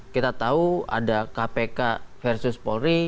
kita tahu ada kpk versus polri